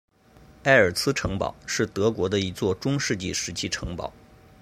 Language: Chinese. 埃尔茨城堡是德国的一座中世纪时期城堡。